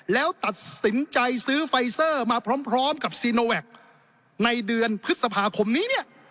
แล้วตัดสินใจซื้อไฟเซอร์มาพร้อมกับซีโนแวคในเดือนพฤษภาคมนี้เนี่ย